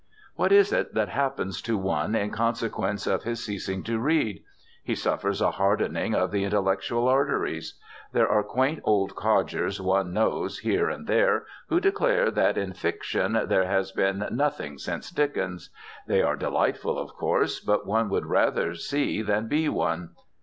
What is it that happens to one in consequence of his ceasing to read? He suffers a hardening of the intellectual arteries. There are quaint old codgers one knows here and there who declare that in fiction there has "been nothing since Dickens." They are delightful, of course; but one would rather see than be one.